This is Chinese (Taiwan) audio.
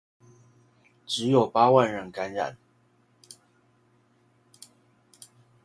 只有八萬人感染